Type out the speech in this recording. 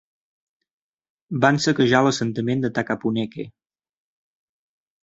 Van saquejar l'assentament de Takapuneke.